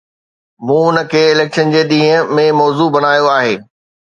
مون ان کي اليڪشن جي ڏينهن ۾ موضوع بڻايو آهي.